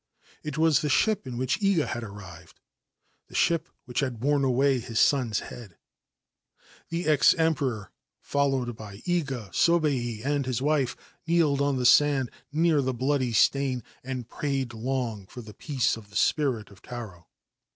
It was the ship in which a had arrived, the ship which had borne away his son's ad. The ex Emperor, followed by Iga, Sobei, and his 155 Ancient Tales and Folklore of Japan wife, kneeled on the sand near the bloody stain, a prayed long for the peace of the spirit of Taro.